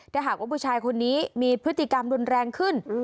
ถ้าหากว่าผู้ชายคนนี้มีพฤติกรรมรุนแรงขึ้น